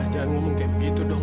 jangan ngomong kayak begitu dong